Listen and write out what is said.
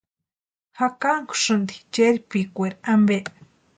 ¿Jakankusïnti chérpikwari ampe?